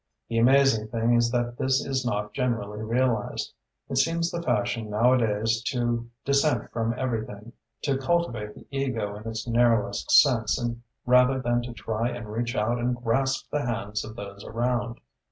The amazing thing is that this is not generally realised. It seems the fashion, nowadays, to dissent from everything, to cultivate the ego in its narrowest sense rather than to try and reach out and grasp the hands of those around.